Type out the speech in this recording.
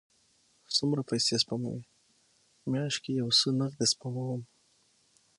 څومره پیسی سپموئ؟ میاشت کې یو څه نغدي سپموم